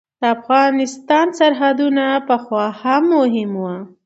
د افغانستان سرحدونه پخوا هم مهم وو.